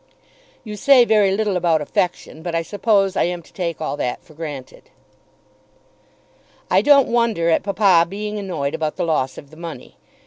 You say very little about affection, but I suppose I am to take all that for granted. I don't wonder at papa being annoyed about the loss of the money.